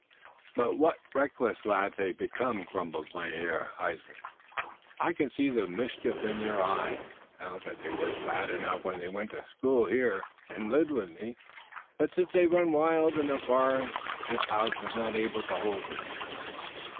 "But what reckless lads they've become," grumbled Mynheer Huysman. "I can see the mischief in their eyes now. They wass bad enough when they went to school here und lived with me, but since they've run wild in the forests this house iss not able to hold them."